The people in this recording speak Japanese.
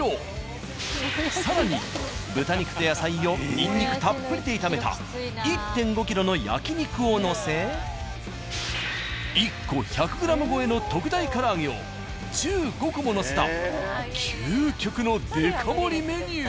更に豚肉と野菜をにんにくたっぷりで炒めた１．５ｋｇの焼肉を載せ１個１００ｇ超えの特大唐揚を１５個も載せた究極のデカ盛りメニュー。